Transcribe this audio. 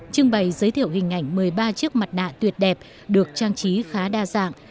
trưng bày giới thiệu hình ảnh một mươi ba chiếc mặt nạ tuyệt đẹp được trang trí khá đa dạng